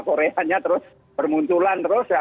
koreanya terus bermunculan terus